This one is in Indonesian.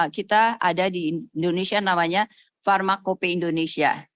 kita ada di indonesia namanya pharmacope indonesia